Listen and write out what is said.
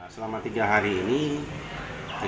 selama tiga hari ini